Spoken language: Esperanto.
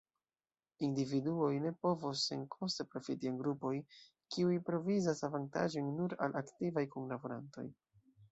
Individuoj ne povos senkoste profiti en grupoj, kiuj provizas avantaĝojn nur al aktivaj kunlaborantoj.